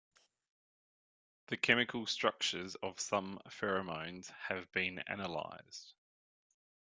The chemical structures of some pheromones have been analysed.